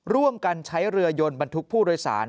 ร่วมกันใช้เรือยนบรรทุกผู้โดยสาร